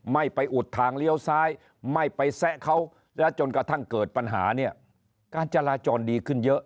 ไม่ไปอุดทางเลี้ยวซ้ายไม่ไปแซะเขาแล้วจนกระทั่งเกิดปัญหาเนี่ยการจราจรดีขึ้นเยอะ